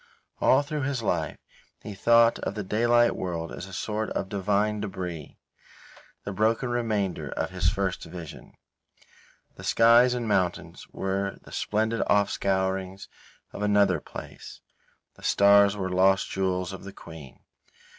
All through his life he thought of the daylight world as a sort of divine debris, the broken remainder of his first vision. The skies and mountains were the splendid off scourings of another place. The stars were lost jewels of the Queen.